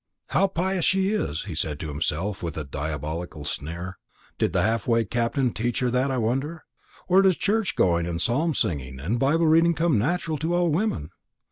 "How pious she is!" he said to himself with a diabolical sneer. "Did the half pay Captain teach her that, I wonder? or does church going, and psalm singing, and Bible reading come natural to all women?